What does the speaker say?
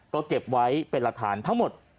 ก็เก็บไว้เป็นหลักฐานทั้งหมด